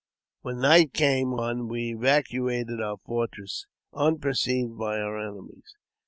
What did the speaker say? When night came on we evacuated our fortress, unperceived by our enemies.